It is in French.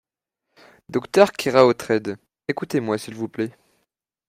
Docteur Keraotred, écoutez-moi s'il vous plait.